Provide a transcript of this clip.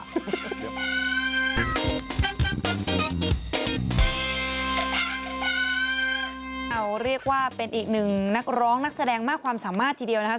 เอาเรียกว่าเป็นอีกหนึ่งนักร้องนักแสดงมากความสามารถทีเดียวนะครับ